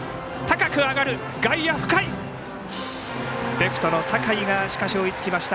レフトの酒井が追いつきました。